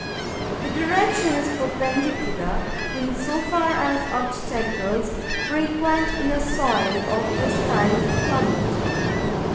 The direction is perpendicular, in so far as obstacles, frequent in a soil of this kind, permit.